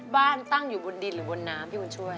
บ้านตั้งอยู่บนดินหรือบนน้ำพี่บุญช่วย